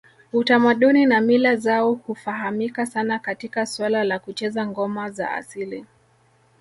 Utamaduni na mila zao hufahamika sana katika suala la kucheza ngoma za asili